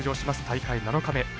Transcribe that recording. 大会７日目。